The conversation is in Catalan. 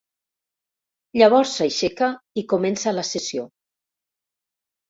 Llavors s'aixeca i comença la sessió.